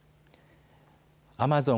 アマゾン